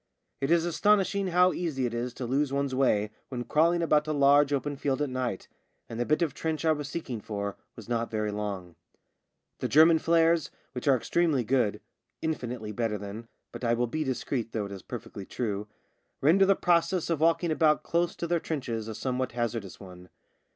It is astonishing how easy it is to lose one's way when crawling about a large open field at night, and the bit of trench I was seeking for was not very long. The German flares, which are extremely good — infinitely better than — but I will be dis creet, though it is perfectly true — render the process of walking about close to their JAMES AND THE LAND MINE 75 trenches a somewhat hazardous one.